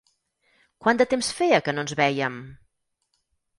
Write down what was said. Quant de temps feia que no ens vèiem?